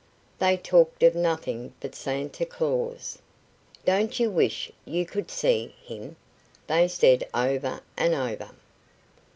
They talked of nothing but Santa Claus. "Don't you wish you could see him?" they said over and over.